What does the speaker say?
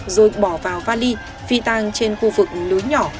rồi bỏ vào vali phi tang trên khu vực núi nhỏ